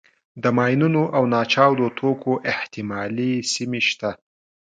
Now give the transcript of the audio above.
د ماینونو او ناچاودو توکو احتمالي سیمې شته.